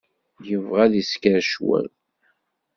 Yebɣa ad isker ccwal.